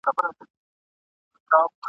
شپه تیاره لاره اوږده ده ږغ مي نه رسیږي چاته ..